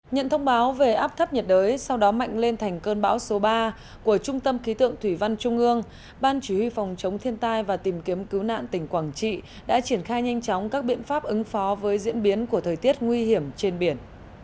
nhận thông báo về áp thấp nhiệt đới sau đó mạnh lên thành cơn bão số ba của trung tâm khí tượng thủy văn trung ương ban chủ huy phòng chống thiên tai và tìm kiếm cứu nạn tỉnh quảng trị đã triển khai nhanh chóng các biện pháp ứng phó với diễn biến của thời tiết nguy hiểm trên biển